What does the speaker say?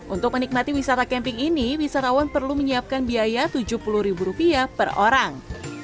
untuk menikmati wisata camping ini wisatawan perlu menyiapkan biaya tujuh puluh per orang